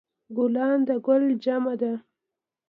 ګلان د ګل جمع ده